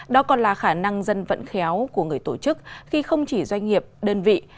đó còn là khả năng dân vận khéo của người tổ chức khi không chỉ doanh nghiệp đơn vị